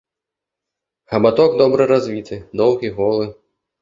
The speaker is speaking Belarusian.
Хабаток добра развіты, доўгі, голы.